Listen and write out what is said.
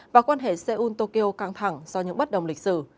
và quan hệ seoul tokyo căng thẳng do những bất đồng lịch sử